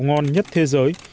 ngon nhất thế giới